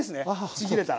ちぎれたら。